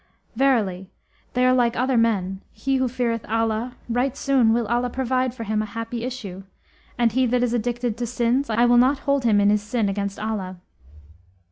Verily, they are like other men; he who feareth Allah, right soon will Allah provide for him a happy issue, and he that is addicted to sins, I will not up hold him in his sin against Allah.'